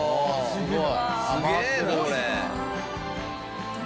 すごい。